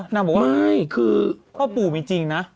นางบอกว่าพ่อปู่มีจริงนะ